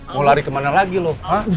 mau lari kemana lagi lu